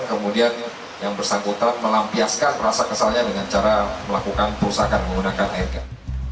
kemudian yang bersangkutan melampiaskan rasa kesalnya dengan cara melakukan perusahaan yang tidak berhasil